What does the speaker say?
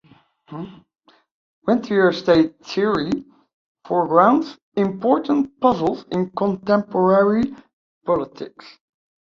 Rentier state theory foregrounds important puzzles in contemporary politics.